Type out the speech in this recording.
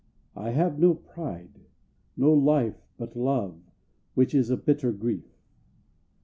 I have no pride, No life, but love, which is a bitter grief.